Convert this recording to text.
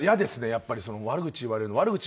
やっぱり、悪口言われるのは。